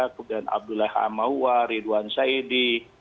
kemudian abdullah amawar ridwan saidi